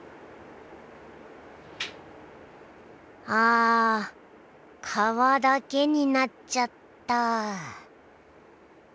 あ皮だけになっちゃった。